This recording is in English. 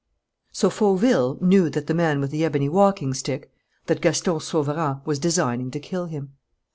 So Fauville knew that the man with the ebony walking stick, that Gaston Sauverand, was designing to kill him.